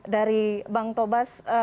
dari bang tobas